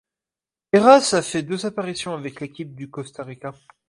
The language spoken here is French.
Eras a fait deux apparitions avec l'équipe du Costa Rica.